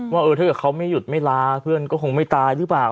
ว่าฮึถ้าเขาอยู่ไม่ลาเพื่อนก็ไม่ตายอยู่ไหม